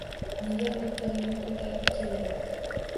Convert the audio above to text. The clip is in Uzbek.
Nega miltig‘ingni ko‘tarib kelding?